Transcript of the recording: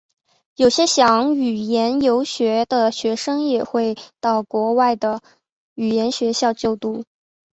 有些想语言游学的学生也会到国外的语言学校就读。